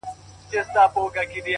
په يوه لاره کي پنډت بل کي مُلا وينم!!